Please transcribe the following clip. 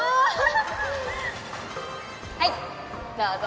はいどうぞ